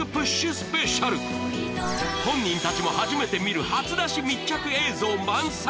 スペシャル本人たちも初めて見る初出し密着映像満載でお送りします